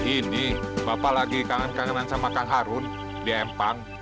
ini bapak lagi kangen kangenan sama kang harun di empang